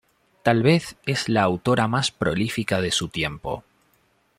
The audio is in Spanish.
Tal vez es la autora más prolífica de su tiempo.